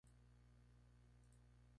Igualmente asistió el Emb.